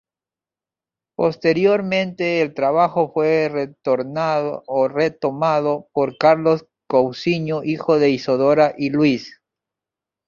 Posteriormente el trabajo fue retomado por Carlos Cousiño, hijo de Isidora y Luis.